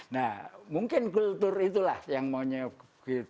nah mungkin kultur itulah yang maunya kita